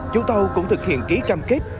chúng tàu cũng thực hiện ký cam kết